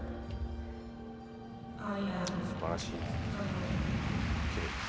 すばらしいです。